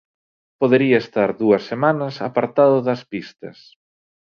Podería estar dúas semanas apartado das pistas.